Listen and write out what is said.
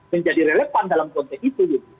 menjadi relevan dalam konteks itu